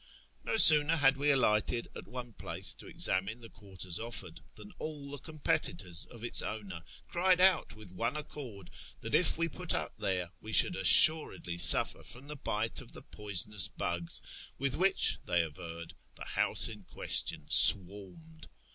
No sooner had we aliLjlited at one i)laee to examine the quarters offered, than all the competitors of its owner cried out with one accord that if we put up tliQre we should assuredly suffer from the bite of the poisonous bugs with which, they averred, the house in question swarmed.